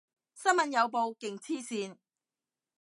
新聞有報，勁黐線